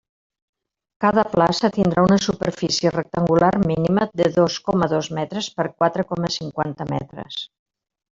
Cada plaça tindrà una superfície rectangular mínima de dos coma dos metres per quatre coma cinquanta metres.